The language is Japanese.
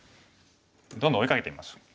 どんどん追いかけてみましょう。